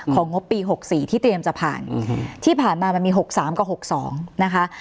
งบปี๖๔ที่เตรียมจะผ่านที่ผ่านมามันมี๖๓กับ๖๒นะคะ